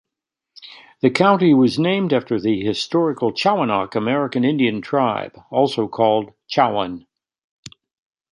The county was named after the historical Chowanoc American Indian tribe, also called Chowan.